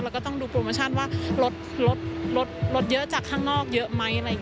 เราก็ต้องดูโปรโมชั่นว่ารถเยอะจากข้างนอกเยอะไหม